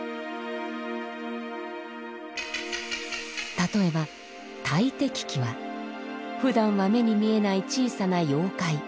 例えば鬼はふだんは目に見えない小さな妖怪。